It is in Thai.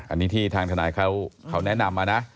อันนี้ที่ทางทนายเขาแนะนำมานะ